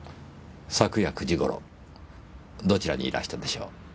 昨夜９時頃どちらにいらしたでしょう？